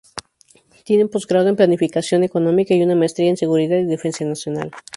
Tiene un Postgrado en Planificación económica y una maestría en seguridad y defensa nacional.